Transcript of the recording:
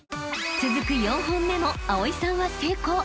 ［続く４本目も葵さんは成功］